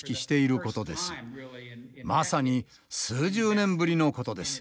まさに数十年ぶりのことです。